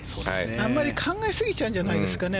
あまり考えすぎちゃうんじゃないですかね